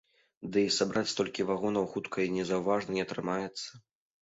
Ды, і сабраць столькі вагонаў хутка і незаўважна не атрымаецца.